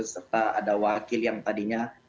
serta ada wakil yang tadinya